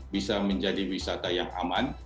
bisa menjadi wisata yang aman